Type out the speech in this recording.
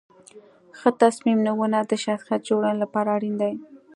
ښه تصمیم نیونه د شخصیت جوړونې لپاره اړین دي.